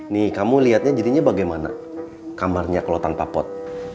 nih kamu lihatnya jadinya bagaimana kamarnya kalau tanpa pot